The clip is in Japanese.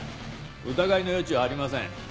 疑いの余地はありません。